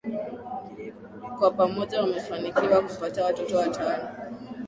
Kwa pamoja wamefanikiwa kupata watoto watano